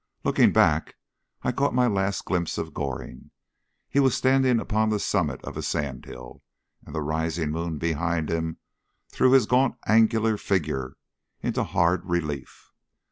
Looking back I caught my last glimpse of Goring. He was standing upon the summit of a sand hill, and the rising moon behind him threw his gaunt angular figure into hard relief.